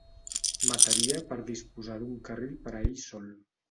Mataria per disposar d'un carril per a ell sol.